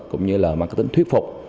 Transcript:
cũng như là marketing thuyền